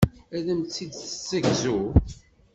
Ad am-tt-id-tessegzu.